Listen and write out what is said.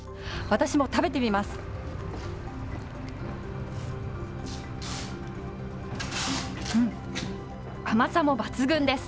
私も食べてみます。